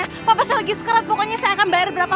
apa pasal lagi skrat pokoknya saya akan bayar berapa pun